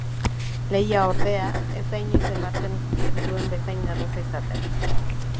Lehia ordea ez da inoiz ematen duen bezain erraza izaten.